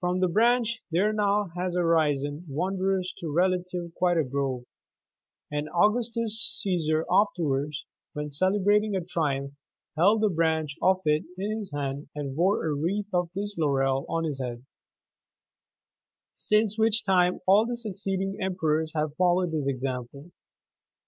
"90 Erom the branch there has now arisen, wondrous to relate, quite a grove : and Augustus CaBsar afterwards, when celebrating a triumph, held a branch of it in his hand and wore a wreath of this laurel on his head ; since which time all the succeeding emperors have followed his example.